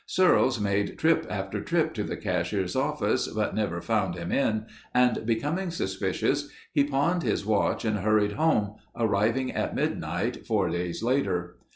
Searles made trip after trip to the cashier's office but never found him in and becoming suspicious, he pawned his watch and hurried home, arriving at midnight four days later.